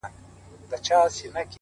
موږ اولاد د مبارک یو موږ سیدان یو -